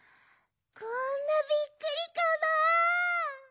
こんなびっくりかな？